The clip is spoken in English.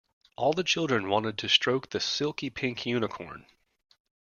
All the children wanted to stroke the silky pink unicorn